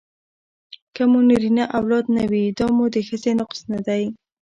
که مو نرینه اولاد نه وي دا مو د ښځې نقص نه دی